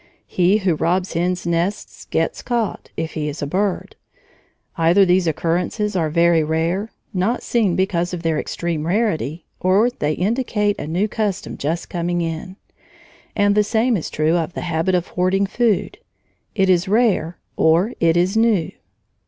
He who robs hen's nests gets caught if he is a bird. Either these occurrences are very rare, not seen because of their extreme rarity, or they indicate a new custom just coming in. And the same is true of the habit of hoarding food; it is rare, or it is new.